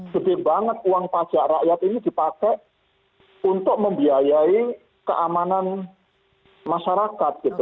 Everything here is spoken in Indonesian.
gede banget uang pajak rakyat ini dipakai untuk membiayai keamanan masyarakat gitu